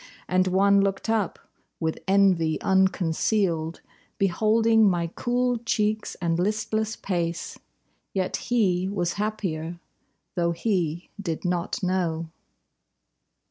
And one looked up, with envy unconcealed, Beholding my cool cheeks and listless pace, Yet he was happier, though he did not know.